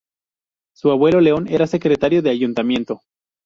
Su abuelo León era secretario de ayuntamiento.